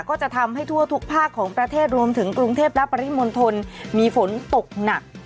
ก็จะทำให้ทั่วทุกภาคของประเทศรวมถึงกรุงเทพและปริมณฑลมีฝนตกหนัก